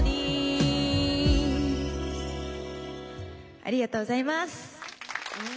ありがとうございます。